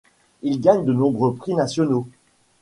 Il gagne de nombreux prix nationaux.